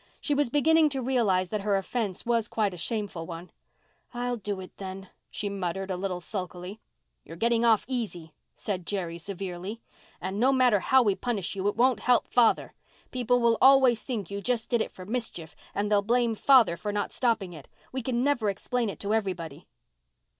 She was beginning to realize that her offence was a quite shameful one. "I'll do it, then," she muttered, a little sulkily. "You're getting off easy," said, Jerry severely. "And no matter how we punish you it won't help father. People will always think you just did it for mischief, and they'll blame father for not stopping it. We can never explain it to everybody."